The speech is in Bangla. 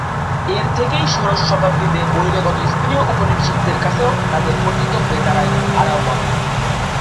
এর থেকেই ষোড়শ শতাব্দীতে বহিরাগত স্পেনীয় ঔপনিবেশিকদের কাছেও তাদের পরিচিতি হয়ে দাঁড়ায় "আরাওয়াক"।